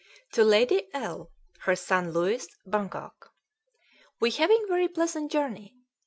"To LADY L & HER SON LUISE, Bangkok. "We having very pleasant journey